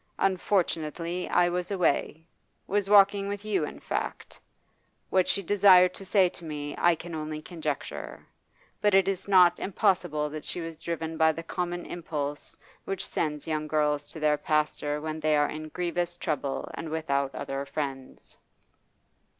Unfortunately I was away was walking with you, in fact. What she desired to say to me I can only conjecture; but it is not impossible that she was driven by the common impulse which sends young girls to their pastor when they are in grievous trouble and without other friends.